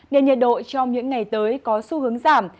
nên nhiệt độ trong những ngày tới có xu hướng giảm